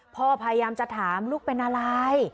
พยายามจะถามลูกเป็นอะไร